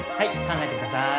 考えてください。